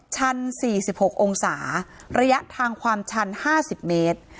ชัน๔๖องศาระยะทางความชัน๕๐เมตร